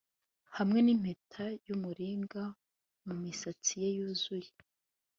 hamwe nimpeta yumuringa mumisatsi ye yuzuye